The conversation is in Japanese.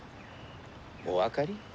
お分かり？